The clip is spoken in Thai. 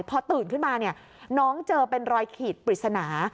พอตื่นขึ้นมาเนี่ยน้องเจอเป็นรอยขีดปริศนา